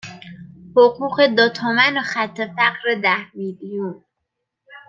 حقوق دو تومن و خط فقر ده میلیون